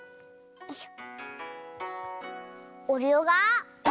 よいしょ。